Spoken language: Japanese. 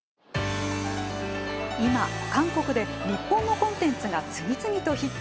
今、韓国で日本のコンテンツが次々とヒット。